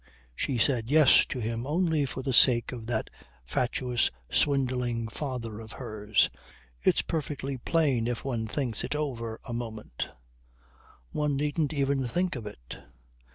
She said "Yes" to him only for the sake of that fatuous, swindling father of hers. It's perfectly plain if one thinks it over a moment. One needn't even think of it.